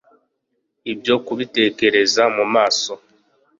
Ibyo kubitekereza mumaso